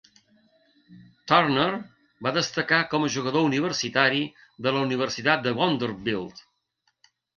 Turner va destacar com a jugador universitari a la Universitat de Vanderbilt.